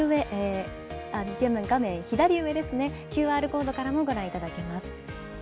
画面左上ですね、ＱＲコードからもご覧いただけます。